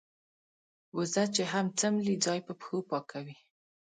وزه چې هم څملې ځای په پښو پاکوي.